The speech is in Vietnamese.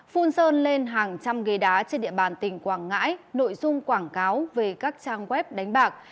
phun sơn lên hàng trăm ghế đá trên địa bàn tỉnh quảng ngãi nội dung quảng cáo về các trang web đánh bạc